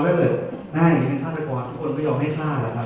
เกิดหน้าอย่างนี้เป็นฆาตกรทุกคนก็ยอมให้ฆ่านะครับ